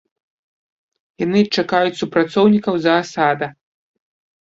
Яны чакаюць супрацоўнікаў заасада.